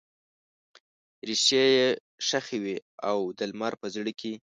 ریښې یې ښخې وي د لمر په زړه کې